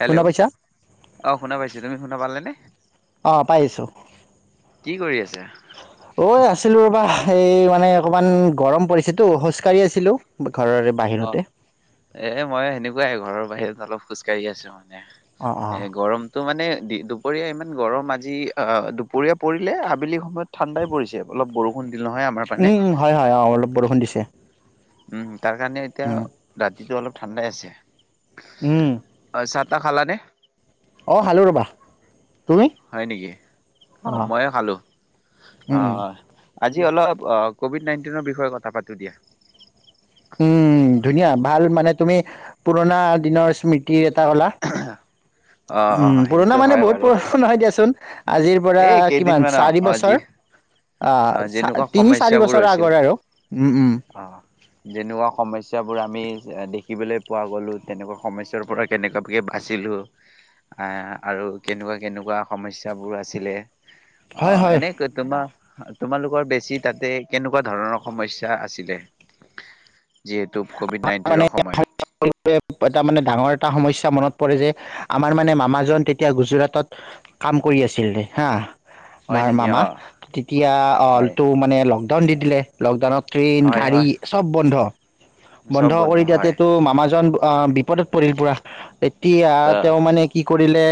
Hello শুনা পাইছা? অহ শুনা পাইছো তুমি শুনা পালানে? অ' পাইছো কি কৰি আছা? ঐ আছ আছিলো ৰ বা এই মানে অকমান গৰম পৰিছেতো খোজকাঢ়ি আছিলোঁ। ঘৰৰে অ' বাহিৰতে। এ মই সেনেকুৱাই ঘৰৰ বাহিৰত অলপ খোজকাঢ়ি আছো মানে। অঁ এ অঁ গৰমটো মানে। দি দুপৰীয়া ইমান গৰম আজি দুপৰীয়া পৰিলে আবেলি সময়ত ঠাণ্ডাই পৰিছে। অলপ বৰষুণ দিল নহয় আমাৰ পানে উম উম হয় হয় অ অলপ বৰষুণ দিছে। উম তাৰ কাৰণে এতিয়া উম ৰাতিটো অলপ ঠাণ্ডাই আছে। উম কিবা খালান? অ' খালো ৰ'বা। তুমি? হয় নেকি অ' অঁ ময়ো খালোঁ উম উম অ'। আজি অলপ কভিড নাইটিনৰ বিষয়ে কথা পাতোদিয়া। উম ধুনীয়া ভাল মানে। তুমি পুৰণা দিনৰ স্মৃতিৰ এটা কলা অ' উম অ' পুৰণা সেইটোতো মানে হয় বহুত বাৰু। পুৰণা নহয় দিয়াচোন। আজিৰ পৰা এই কিমান কেইদিনমান আৱ চাৰি বছৰ আজি আহ অ' যেনেকুৱা তিনি চাৰি সমস্যাবোৰ বছৰৰ হৈছিল। আগৰ আৰু। উম উম অ' যেনেকুৱা সমস্যা বোৰ আমি দেখি। শিকিবলৈ পোৱা গ'লোঁ তেনেকুৱা সমস্যয়াৰ পৰা কেনেকুৱাকে বাচিলোঁ। আহ আৰু কেনেকুৱা কেনেকুৱা সমস্যাবোৰ আছিলে হয় অহ হয় এনেকৈ তোমাৰ তোমালোকৰ বেছি তাতে কেনেকুৱা ধৰণৰ সমস্যা আছিলে? যিহেতু ক'ভিড আমাৰ মামে নাইণ্টিনৰ সময়ত এটা মানে ডাঙৰ এটা সমস্যা মনত পৰে যে আমাৰ মানে মামাজন তেতিয়া গুজৰাটত কাম কৰি আছিল হা হয় আমাৰ নেকি মামা অ' তেতিয়া হয় অলটো মানে লকডাউন দি দিলে লকডাউনত ট্ৰেইন, হয় গাড়ী হয়। চব বন্ধ চব বন্ধ কৰি তাতে হয় তটো মামাজন অ বিপদত পৰিল পুৰা এতিয়া আহ তেওঁ মানে কি কৰিলে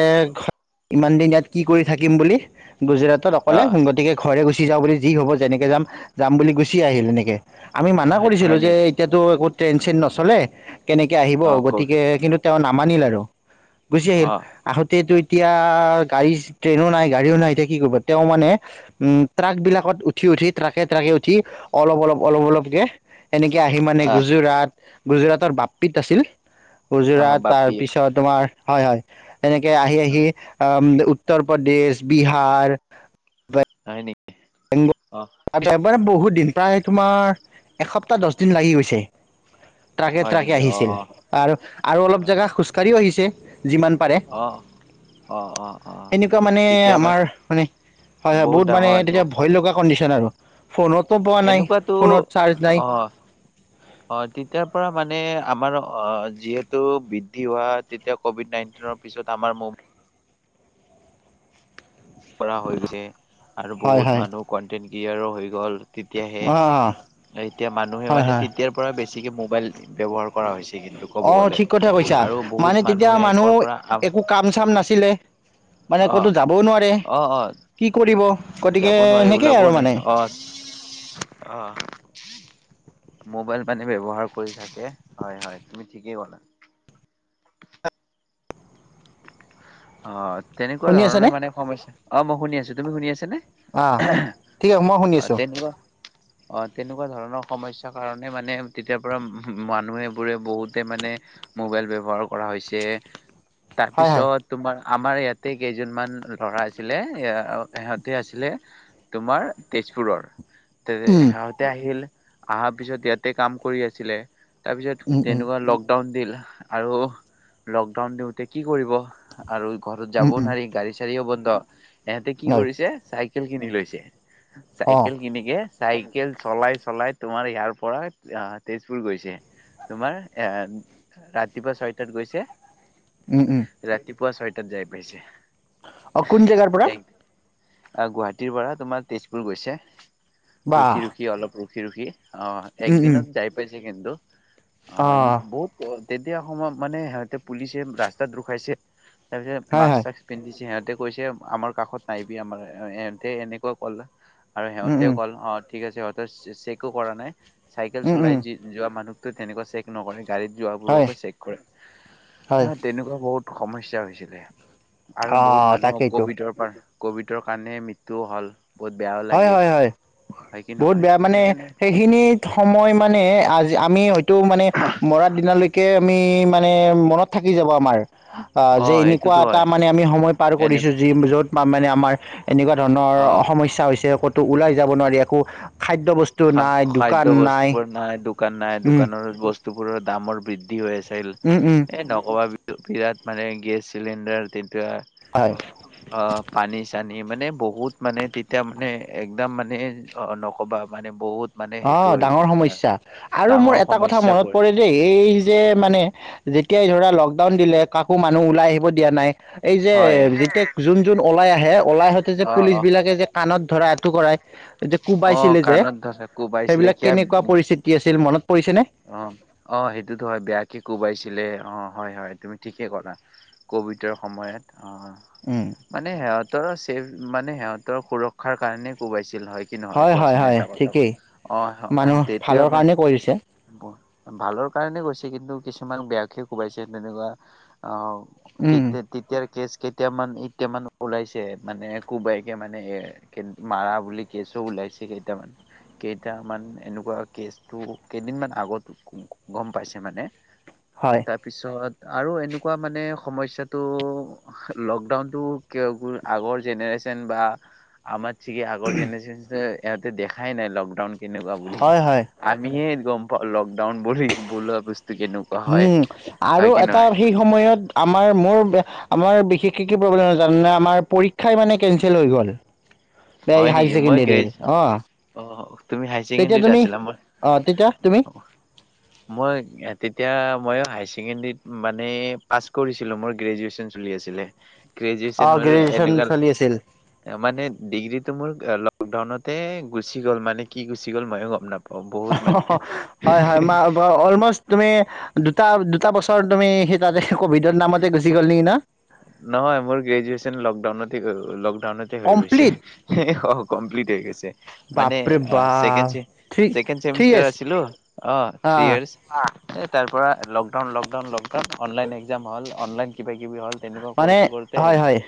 ইমান দিন ইয়াত কি কৰি থাকিম বুলি। গুজৰাটত অকলে আহ গতিকে ঘৰে গুচি যাওঁ বুলি যি হব যেনেকে যাম যাম বুলি গুচি আহিল এনেকে আমি মানা হয় কৰিছিলো হয় যে নেকি এতিয়াতো একো ট্ৰেইন চেইন নচলে কেনেকে আহিব অ' ক গতিকে কিন্তু তেওঁ নামানিল আৰু গুচি আহিল অ' আহোঁতেটো এতিয়া গাড়ী ট্ৰেইনো নাই গাড়ীও নাই এতিয়া কি কৰিব তেওঁ মানে উম ট্ৰাক বিলাকত উঠি উঠি ট্ৰাকে ট্ৰাকে উঠি অলপ অলপ অলপ অলপকে এনেকে আহি মানে আহ গুজৰাট গুজৰাটৰ বাপিত আছিল। উজোৰা আহ তাৰ বাপি পিছত তোমাৰ হয় হয় এনেকে আহি আহি অহ। উত্তৰ প্ৰদেশ বিহাৰ হয় নেকি। অ' বেংগল। মানে বহুত দিন প্ৰায় তোমাৰ এসপ্তাহ দহ দিন লাগি গৈছে। ট্ৰাকে হয় ট্ৰাকে নেকি আহিছিল অ' আৰু আৰু অলপ হয় জেগা খোজকাঢ়িও আহিছে। যিমান পাৰে। অ' অ' অ' অ'। এনেকুৱা মানে আমাৰ মানে হয় হয় বহুত ডাঙৰ মানে এনেকুৱা তেতিয়া। খং ভয় লগা কণ্ডিশ্যন আৰু। ফোনতো পোৱা নাই এনেকুৱাতো ফোনত চাৰ্জ নাই অ অ তেতিয়াৰ পৰা মানে আমাৰ। অ যিহেতু বৃদ্ধি হোৱা তেতিয়া ক'ভিড নাইণ্টিনৰ পিছত আমাৰ ম। কৰা হৈ গৈছে আৰু হয় বহুত হয় মানুহ কন্টেনট ক্ৰিয়েটাৰ হৈ গ'ল। অ তেতিয়াহে এতিয়া মানুহে হয় মানে হয় তেতিয়াৰ পৰা বেছিকে মোবাইল। ব্যৱহাৰ কৰা হৈছে কিন্তু ক'ব অ গলে ঠিক কথা কৈছা আৰু মানে বহুত তেতিয়া মানুহে মানুহ কৰ পৰা। একো কাম চাম নাছিলে মানে ক'তো অহ যাবও নোৱাৰে অহ অ। কি কৰিব গতিকে যাব নোৱাৰি সেনেকেই ওলাবও আৰু নাই মানে অ। অহ। মবাইল পানে ব্যৱহাৰ কৰি থাকে হয় হয় তুমি ঠিকেই ক'লা। [unintelligible] অ তেনেকুৱা শুনি ধৰণৰ আছেনে মানে সমস্যা অ মই শুনি আছো তুমি শুনি আছ নে। অ ঠিক আছে মই শুনি অ আছোঁ তেনেকুৱা। অ তেনেকুৱা ধৰণৰ সমস্যাৰ কাৰণে মানে তেতিয়াৰ পৰা মানুহে বোৰে বহুতে মানে। মানে মোবাইল ব্যৱহাৰ কৰা হৈছে হয় হয় তাৰপিছত। তোমাৰ আমাৰ ইয়াতে কেইজনমান ল'ৰা আছিলে সিহঁতে আছিলে তোমাৰ। তেজপুৰৰ। তে উম সিহঁতে আহিল অহাৰ পিছত ইয়াতে কাম কৰি আছিলে। তাৰপিছত উম উম তেনেকুৱা লকডাউন দিল আৰু লকডাউন দিওঁতে কি কৰিব। আৰু ঘৰত উম যাবও উম নোৱাৰি গাড়ী চাড়িও বন্ধ ইহঁতে কি হয় কৰিছে চাইকেল কিনি লৈছে। অ চাইকেল কিনিকে। চাইকেল চলাই চলাই তোমাৰ ইয়াৰ পৰা তেজপুৰ গৈছে। তোমাৰ এ ৰাতিপুৱা ছয়টাত গৈছে। উম, উম। পুৱা ছয়টাত যাই পাইছে। অ কোন জেগাৰ পৰা। অ গুৱাহাটীৰ পৰা তোমাৰ তেজপুৰ গৈছে ৰখি বাহ ৰখি অলপ ৰখি ৰখি। অ উম উম একদিনত যাই পাইছে কিন্তু অ বহুত। তেতিয়া সময়ত মানে সিহঁতে পুলিচে ৰাস্তাত ৰোখাইছে। তাৰ পিছত হয় মাক্স হয় চাকচ পিন্ধিছে সিহঁতে কৈছে আমাৰ কাষত নাইবি আমাৰ সিহঁতে এনেকুৱা ক'লা। আৰু উম সিহঁতেও উম কল অ ঠিক আছে সিহঁতৰ চেকো কৰা নাই। চাইকেল উম উম চলাই যি যোৱা মানুহতটো তেনেকুৱা চেক নকৰে। গাড়ীত যোৱা হয় বোৰকে চেক কৰে। হয় হা তেনেকুৱা বহুত সমস্যা হৈছিলে। আৰু বহুত অ' মানুহক তাকেইতো কভিডৰ পৰা কভিডৰ কাৰণে মৃত্যুও হল। বহুত বেয়াও হয়, লাগিল হয়, হয়। হয় কি বহুত নহয় বেয়া মানে সেইকাৰণে সেইখিনি সময় মানে আ আমি হয়তো মানে মৰাৰ দিনালৈকে আমি মানে মনত থাকি যাব আমাৰ। অ যে এনেকুৱা সেইটোতো এটা হয় মানে আমি সময় পাৰ এনে কৰিছো যি যত মানে আমাৰ এনেকুৱা ধৰণৰ অ' সমস্যা হৈছে। ক'তো ওলাই যাব নোৱাৰি। একো খাদ্য বস্তু খা নাই খাদ্য দোকান বস্তুবোৰ নাই, দোকান নাই। উম দোকানৰ বস্তু বোৰৰ দামৰ বৃদ্ধি হৈ আছিল উম উম এ নকবা বিৰাট মানে গেছ চিলিণ্ডাৰ তেতিয়া হয় অ পানী চানী মানে বহুত মানে তেতিয়া মানে একদম মানে নক'বা মানে বহুত মানে অ সেইটো হৈ গ'ল ডাঙৰ তোমাৰ সমস্যা আৰু মোৰ ডাঙৰ এটা কথা সমস্যা মনত পৰে দেই। এই যে মানে যে যে তিয়াই ধৰা লকডাউন দিলে কাকো মানুহ ওলাই আহিব দিয়া নাই। এই যে হয় যেতিয়া যোন যোন ওলাই আহে ওলাই আহোতে যে অ পুলিচ অ বিলাকে যে কাণত ধৰাই, আঁঠু কৰাই যে অ কোবাইছিলে যে কাণত ধৰা কোবাইছিলে সেইবিলাক কিয় কেনেকুৱা পৰিস্থিতি আছিল। মনত পৰিছেনে? অ অ সেইটোতো হয়। বেয়াকে কোবাইচি ছিলে। অঁ হয়, হয় তুমি ঠিকেই ক'লা ক'ভিডৰ সময়ত। অ মানে সিহঁতৰ ছেফ মানে সিহঁতৰ সুৰক্ষাৰ কাৰণে কোবাইছে। হয় কি নহয় হয় কোৱাচোন। হয় এটা কথা ঠিকেই কও অ মানুহ তেতিয়া ভালৰ কাৰণে কৰিছে ভালৰ কাৰণে গৈছে কিন্তু কিছুমান বেয়াকে কোবাইছে তেনেকুৱা অ তে উম তে তেতিয়াৰ কেছ তেতিয়া মানে এতিয়া মানু্হ ওলাইছে। মানে কোবাইকে মানে এ কে মাৰা বুলি কেছো ওলাই ছিলে কেইটামান, কেইটামান এনেকুৱা কেছ টো কেইদিনমান আগত গম পাইছে মানে। হয় তাৰপিছত আৰু এনেকুৱা মানে সমস্যাটো লকডাউনটো আগৰ জেনেৰে চন বা আমাৰ ঠিকে আগৰ জেনেৰেচনটোৱে ইহঁতে দেখাই নাই লকডাউন কেনেকুৱা বুলি। হয় হয় আমিহে গম পাওঁ লকডাউন বুলি বোলা বস্তু। কেনেকুৱা হয়। উম হয় আৰু কি এটা নহয় সেই সময়ত আমাৰ মোৰ আমাৰ বিশেষকে কি প্ৰব্লেম জানা নে? আমাৰ পৰীক্ষাই মানে কেঞ্চেল হৈ গ'ল। এই হয় হাই নেকি মই গ্ৰেজ ছেকেণ্ডাৰীৰ, অ তুমি হাই অঁ। তেতিয়া ছেকেণ্ডৰীত তুমি, আছিলা মই অ তেতিয়া তুমি মই তে এতিয়া ময়ো হায়াৰ ছেকেণ্ডৰীত মানে পাছ কৰিছিলো, মোৰ গ্ৰেজুৱেচন চলি আছিলে। গ্ৰেজুৱেচন অ মান গ্ৰেজুৱেচন এনেকুৱা চলি আছিল মানে ডিগ্ৰীত মোৰ লকডাউনতে গুচি গ'ল মানে। কি গুচি গ'ল ময়ো গম নাপাওঁ। বহুত মানে হয়, হয় ম অলমষ্ট তুমি দু দুটা, দুটা বছৰ তুমি সেই তাতে কভিডৰ নামতে গুচি গল নেকি ন? গুচি গ'ল লক দাউনতে হৈ গৈছে। কমপ্লিট অ কমপ্লিট হৈ গৈছে। মানে বাপৰে চেকেণ্ড বাপ ছেম থ্ৰী ছেকেণ্ড থ্ৰী চেমিষ্টাৰৰ ইয়েৰ্চ আছিলো, অ থ্ৰী য়েৰ্চ এ তাৰ পৰা lockdown, lockdown, lockdown. Online exam হল, অনলাইন কিবা কিবি হল। তেনেকুৱা মানে কৰোতে কৰোতে এক হয় হয়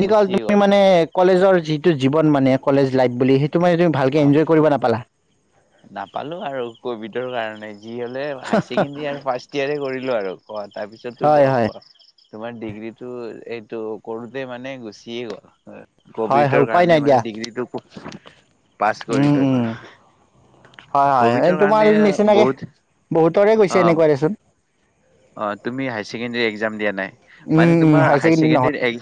এনেকুৱা হ'ল তুমি মানে কলেজৰ যিটো জীৱন মানে কলেজ লাইফ বুলি, সেইটো মানে তুমি ভালকৈ অ এনজয় কৰিব নাপালা। নাপালো আৰু কভিডৰ কাৰণে যি হলে হাই ছেকেণ্ডৰী আৰু ফাৰ্ষ্ট ইয়াৰে কৰিলো আৰু। ক তাৰপিছতটো হয় ক হয় কোৱা। তোমাৰ ডিগ্ৰীটো এইটো কৰোতে মানে গুচিয়ে গ'ল। হয় হয় ক'ভিডৰ উপায় নাই কাৰণে মানে দিয়া ডিগ্ৰীটো খুব পাছ উম কৰি উম ল'লোঁ। হয় হয় তোমাৰ নিচিনাকে বহুত বহুতৰে অ গৈছে এনেকুৱা দেচোন। অ তুমি হায়াৰ ছেকেণ্ডাৰী এক্সাম দিয়া নাই মানে উম উম তোমাৰ হায়াৰ ছেকেণ্ডেৰী নহয় হাইছেকেণ্ডাৰী।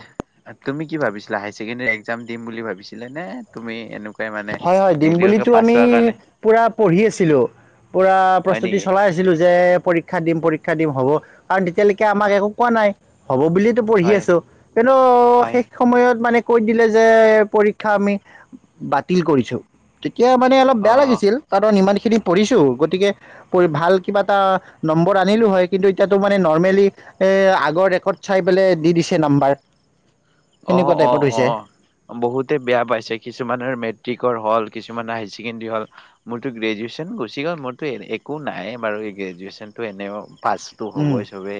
তুমি কি ভাবিছিলা হায়াৰ ছেকেণ্ডাৰী একজাম দিম বুলি ভাবিছিলা নে তুমি এনেকুৱা। হয় হয় দিম বুলিতো আমি পুৰা পঢ়ি আছিলো। পুৰা হয় প্ৰস্তুতি নেকি চলাই আছিলো যে পৰীক্ষা দিম পৰীক। ক্ষা দিম হ'ব কাৰণ তেতিয়ালৈকে আমাক একো কোৱা নাই। হ'ব বুলি এতো পঢ়ি হয় আছো কিন্তু হয় শেষ সময়ত মানে। কৈ দিলে যে পৰীক্ষা আমি বাতিল কৰিছো। তেতিয়া মানে অলপ অ বেয়া অ লাগিছিল কাৰণ ইমানখিনি পঢ়িছোঁ গতিকে পঢ়ি ভাল কিবা এটা। নম্বৰ আনিলো হয় কিন্তু এতিয়াতো মানে নৰ্মেলি এ আগৰ ৰেকৰ্ড চাই পেলাই দি দিছে নম্বাৰ। অ অ অ বহুতে বেয়া পাইছে কিছুমানৰ মেট্ৰিক। হ'ল কিছুমান হায়াৰ ছেকেণ্ডৰী হ'ল মোৰতো গ্ৰেজুৱেচন গুচি গ'ল মোৰতো একো নাই বাৰু। গ্ৰেজুৱেশ্যনটো এনেও। পাচটো উম হ'বই চবে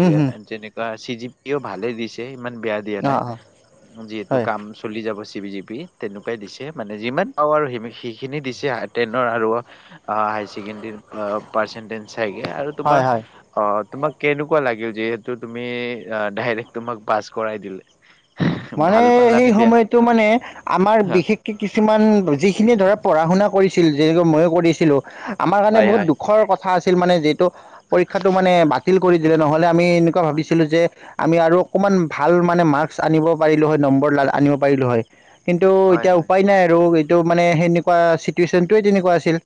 উম হুম তেনেকুৱা চি জিত কেও ভালে দিছে। ইমান বেয়া দিয়া অ নাই অ যিহেতু হয় কাম চলি যাব। তেনেকুৱাই দিছে মানে যিমান পাওৱাৰ হেখিনি দিছে টেনৰ। হাইাৰ ছেকেণ্ডাৰী পাৰ্ছেন্দিছ চাই আৰু তোমাৰ। হয় হয় তোমাক কেনেকুৱা লাগিল যিহেতু তুমি ডাইৰেক্ট তোমাক পাছ কৰাই দিলে। মানে ভাল পালা নে সেই বেয়া সময়তটো মানে আমাৰ বিশেষকে কিছু। কিছুমান যিখিনিয়ে ধৰা পঢ়া শুনা কৰিছিল যেনে মইও কৰিছিলো আমাৰ কাৰণে হয় বহুত হয়। দুখৰ কথা। আছিল মানে যিহেতু পৰীক্ষাটো মানে বাতিল কৰি দিলে নহলে আমি এনেকুৱা ভাবিছিলো যে। আমি আৰু অকমান ভাল মানে মাৰ্কচ আনিব পাৰিলো হয় নম্বৰ ল আনিব পাৰিলো হয়। কিন্তু হয় এতিয়া হয় উপায় নাই আৰু এইটো মানে সেনেকুৱা চিটুৱেশচনটোৱে তেনেকুৱা আছিল।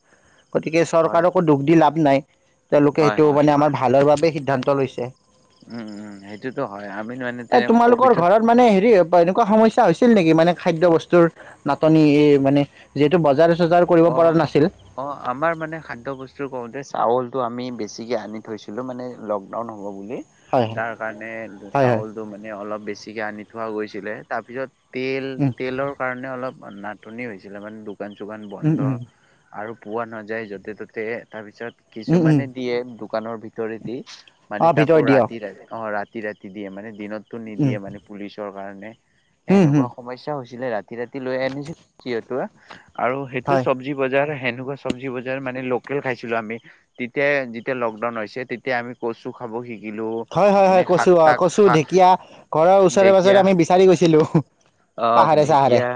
গতিকে হয় হয়। চৰকাৰকো দুখ দি লাভ নাই তেওঁলোকে হয় সেইটো হয় মানে আমাৰ ভালৰ বাবে সিদ্ধান্ত লৈছে। উম উম সেইটোতো হয় আমি মানে এ তেনে তোমালোকৰ অসুবিধা। ঘৰত মানে এনেকুৱা সমস্যা হৈছিল নেকি মানে খাদ্যয় বস্তুৰ নাটনি এই মানে যিহেতু বজাৰ। চজাৰ কৰিব অ পৰা অ নাছিল অ আমাৰ মানে খাদ্যয বস্তু কওঁতে চাউল। আমি বেছিকে আনি থৈছিলো মানে লকডাউন। হয় ত হয় কাৰ হয় হয় চাউলটো মানে অলপ বেছি। আনি থোৱা গৈছিলে তাৰপিছত তেল উম তেলৰ কাৰণে অলপ। নাটনি হৈছিলে মানে দোকান চোকান উম বন্ধ উম আৰু। পোৱা নাযায় য'তে ত'তে তাৰপিছত। উম উম কিছুমানে দিয়ে দোকানৰ ভিতৰে দি অ মানে তাকো ভিতৰত দিয়ক ৰাতি ৰাতি অ ৰাতি ৰাতি। দিয়ে মানে দিনতটো উম নিদিয়ে মানে পুলিচৰ কাৰণে হম এেনেকুৱা হম সমস্যা হৈছে। ছিল ৰাতি ৰাতি লৈ আনিছিল সেয়া পৰা আৰু সেইটো হয় চব্জি বজাৰ। সেনেকুৱা চব্জি বজাৰ মানে লোকেল খাইছিলো আমি তেতিয়াাই যেতিয়া লকডাউন হৈছে তেতিয়া আমি কচু খাব শিক। হয় হয় হয় কচো অ কচো ঢেকীয়া ঘৰৰ ওচৰে ঢেকীয়া পাজৰে আমি বিচাৰি গৈছিলো। অ পাহাৰে চাহাৰে ঢেকীয়া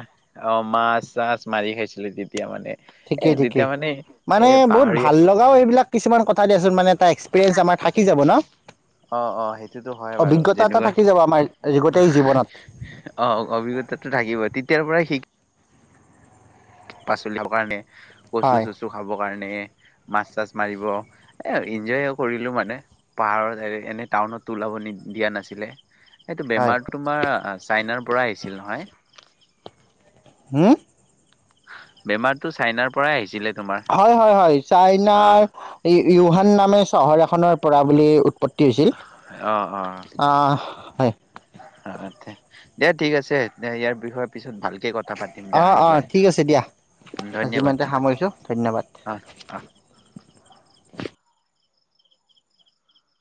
অ মাছ চাছ মাৰি খাইছিলে দ। ঠিকেই ঠিকেই এ মানে বহুত পাহাৰীয়া ভাল লগাও এইবিলাক কিছুমান কথা। মানে এটা এক্সপিৰিয়েঞ্চ আমাৰ থাকি যাব ন। অঁ সেইটোতো হয় বাৰু অভিজ্ঞতা এটা যেনেকুৱা। থাকি যাব আমাৰ গোটেই জীৱনত অ অভিজ্ঞতাটো থাকিব তেতিয়াৰ পৰাই লিখা। শাক পাচলি লাবৰ কাৰণে কচু হয় চচু খাবৰ কাৰণে। মাছ চাছ মাৰিব এ এনজয় কৰিলো মানে পাহাৰত এনে টাউনত ওলাব। দিয়া নাছিলে, এইটো তোমাৰ হয় বেমাৰটো ছাইনা পৰা আহিছিল নহয়। হুম। বেমাৰতটো চাইনাৰ পৰাই আহিছিলে।। তোমাৰ হয় হয় হয় অ চাইনাৰ উহান নামে চহৰ এখনৰ পৰা বুলি উ। আপত্তি হৈছিল আহ হয়। [inaudible] দে, ঠিক আছে। দে ইয়াৰ বিষয়ে পিছত ভাল অ' - অ', ঠিক আছে দিয়া। ধন্যবাদ ইমানতে সামৰিছোঁ, ধন্যবাদ। অ অ [inaudible]